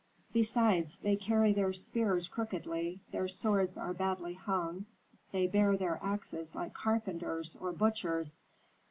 Besides they carry their spears crookedly, their swords are badly hung, they bear their axes like carpenters or butchers.